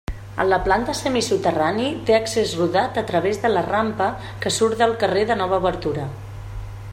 En la planta semisoterrani, té accés rodat a través de la rampa que surt del carrer de nova obertura.